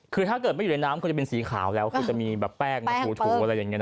คือถ้าเกิดไม่อยู่ในน้ำก็จะเป็นสีขาวแล้วคือจะมีแบบแป้งมาถูอะไรอย่างนี้นะ